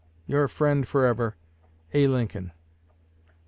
Your friend forever, A. LINCOLN.